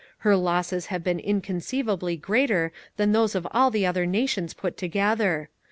Her losses have been inconceivably greater than those of all the other nations put together.